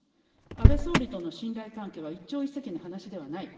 安倍総理との信頼関係は一朝一夕の話ではない。